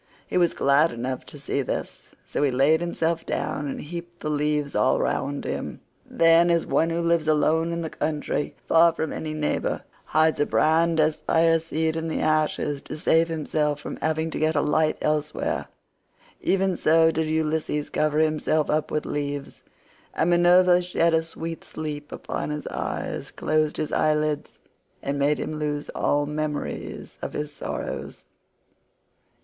He was glad enough to see this, so he laid himself down and heaped the leaves all round him. Then, as one who lives alone in the country, far from any neighbor, hides a brand as fire seed in the ashes to save himself from having to get a light elsewhere, even so did Ulysses cover himself up with leaves; and Minerva shed a sweet sleep upon his eyes, closed his eyelids, and made him lose all memories of his sorrows.